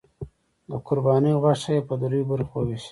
د قربانۍ غوښه یې په دریو برخو وویشله.